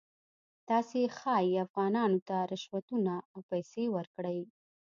تاسې ښایي افغانانو ته رشوتونه او پیسې ورکړئ.